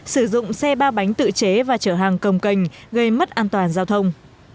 sử dụng xe ba bánh tự chế và chở hàng công cành gây mất an toàn giao thông